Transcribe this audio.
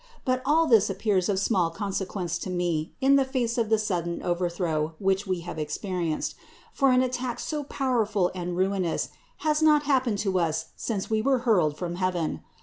But all this appears of small con sequence to me in the face of the sudden overthrow which we have experienced; for an attack so powerful and ruinous has not happened to us since we were hurled from heaven.